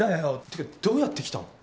てかどうやって来たの？